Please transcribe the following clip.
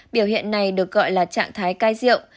biểu hiện này được gọi là trạng thái cai rượu